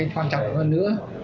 hoàn trọng hơn nữa